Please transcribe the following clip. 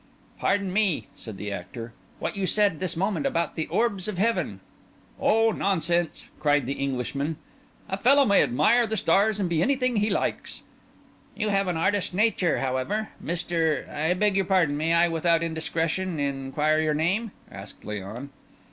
"Pardon me," said the actor. "What you said this moment about the orbs of heaven—" "Oh, nonsense!" cried the Englishman. "A fellow may admire the stars and be anything he likes." "You have an artist's nature, however, Mr.—I beg your pardon; may I, without indiscretion, inquire your name?" asked Léon.